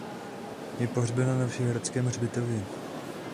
Je pohřbena na Vyšehradském hřbitově.